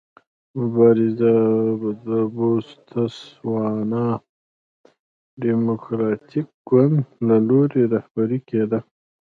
مبارزه د بوتسوانا ډیموکراټیک ګوند له لوري رهبري کېده.